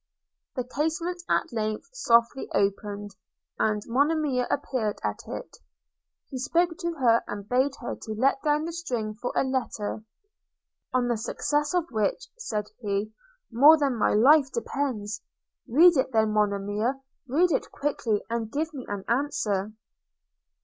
The casement at length softly opened, and Monimia appeared at it. He spoke to her, and bade her to let down the string for a letter, 'on the success of which,' said he, 'more than my life depends. – Read it then, Monimia, read it quickly and give me an answer.'